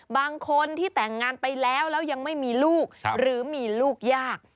บางคนที่แต่งงานไปแล้วแล้วยังไม่มีลูกหรือมีลูกยาก